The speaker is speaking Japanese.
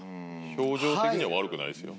表情的には悪くないですよ。